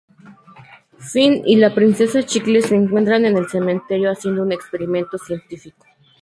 Finn y la Princesa Chicle se encuentran en el Cementerio haciendo un experimento científico.